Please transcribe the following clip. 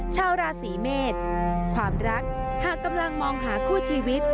ชาวราศีเมษความรักหากกำลังมองหาคู่ชีวิต